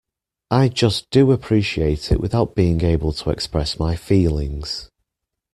I just do appreciate it without being able to express my feelings.